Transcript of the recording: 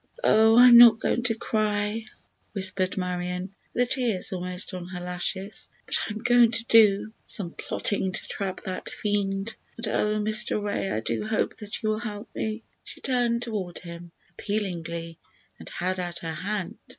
"Oh, I'm not going to cry," whispered Marion, with the tears almost on her lashes, "but I am going to do some plotting to trap that fiend; and, oh, Mr. Ray, I do hope that you will help me!" She turned toward him appealingly and held out her hand.